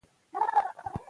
موږ یو د بل وروڼه یو.